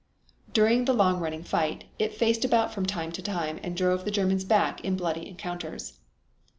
During the long running fight, it faced about from time to time and drove the Germans back in bloody encounters.